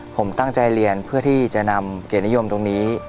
ผมตั้งใจเรียนเพื่อที่จะนำเกียรตินิยมตรงนี้